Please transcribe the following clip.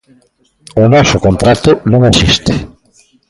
O noso contrato non existe.